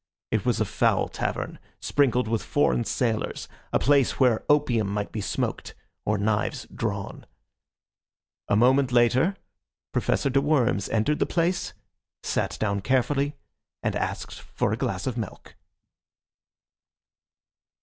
It was a foul tavern, sprinkled with foreign sailors, a place where opium might be smoked or knives drawn. A moment later Professor de Worms entered the place, sat down carefully, and asked for a glass of milk.